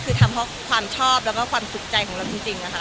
คือทำเพราะความชอบแล้วก็ความสุขใจของเราจริงค่ะ